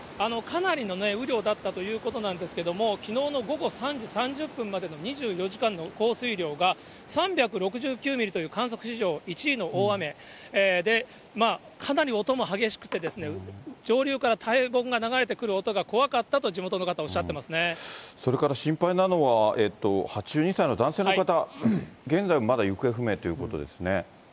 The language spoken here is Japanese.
かなりの雨量だったということなんですけれども、きのうの午後３時３０分までの２４時間の降水量が、３６９ミリという観測史上１位の大雨で、かなり音も激しくて、上流から大木が流れてくる音が怖かったと地元の方おっしゃってまそれから心配なのは、８２歳の男性の方、現在もまだ行方不明ということですね。